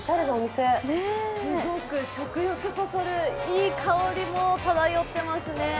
すごく食欲そそるいい香りも漂ってますね。